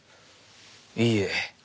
いいえ。